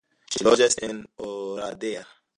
Ŝi loĝas en Oradea.